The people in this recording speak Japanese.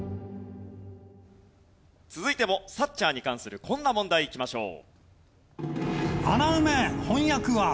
続いてもサッチャーに関するこんな問題いきましょう。